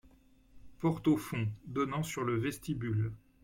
Porte au fond, donnant sur le vestibule.